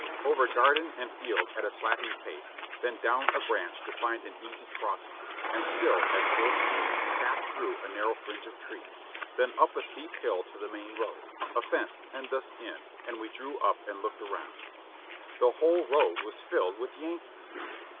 Over garden and field at a slapping pace, then down a branch to find an easy crossing, and still at full speed passed through a narrow fringe of trees, then up a steep hill to the main road; a fence hemmed us in and we drew up and looked around. The whole road was filled with Yankees.